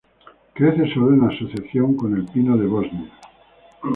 Crece solo en asociación con el pino de Bosnia.